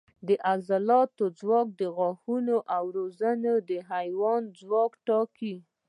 د عضلاتو ځواک، غاښونه او وزرونه د حیوان ځواک ټاکي.